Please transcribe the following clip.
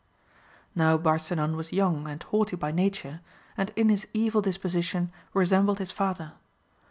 Now Barsinan was young and haughty by nature, and in his evil disposition resembled his father.